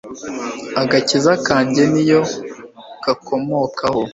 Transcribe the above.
agakiza kanjye, ni yo gakomokaho